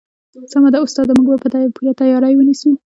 سمه ده استاده موږ به پوره تیاری ونیسو